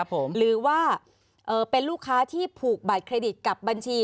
หรือว่าเป็นลูกค้าที่ผูกบัตรเครดิตกับบัญชี